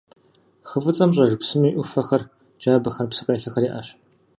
Хы Фӏыцӏэм щӏэж псыми ӏуфэхэр, джабэхэр, псы къелъэхэр иӏэщ.